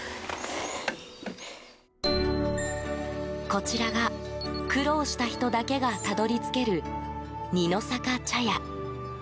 こちらが苦労した人だけがたどり着ける二の坂茶屋。